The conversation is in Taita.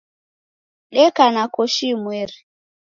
Deka na koshi imweri.